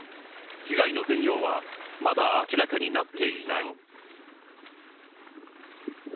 被害の全容はまだ明らかになっていない。